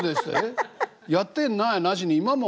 「やってんな」やなしに今も。